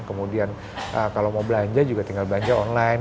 kemudian kalau mau belanja juga tinggal belanja online